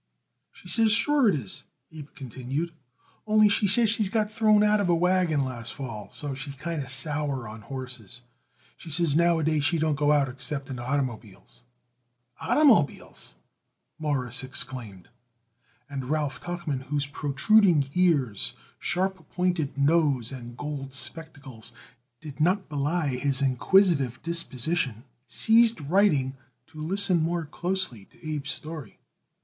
"She says sure it is," Abe continued, "only, she says she got thrown out of a wagon last fall, and so she's kind of sour on horses. She says nowadays she don't go out except in oitermobiles." "Oitermobiles!" Morris exclaimed, and Ralph Tuchman, whose protruding ears, sharp pointed nose and gold spectacles did not belie his inquisitive disposition, ceased writing to listen more closely to Abe's story.